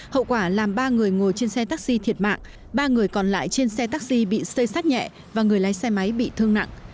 hậu quả làm ba người ngồi trên xe taxi thiệt mạng ba người còn lại trên xe taxi bị xây sát nhẹ và người lái xe máy bị thương nặng